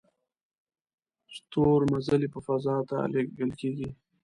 ستورمزلي په فضا ته لیږل کیږي